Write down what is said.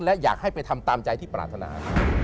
และอยากให้ไปทำตามใจที่ปรารถนา